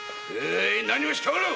何をしておる！